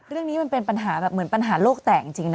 เรื่องนี้มันเป็นปัญหาแบบเหมือนปัญหาโลกแตกจริงนะ